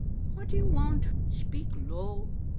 "" What do you want? Speak low."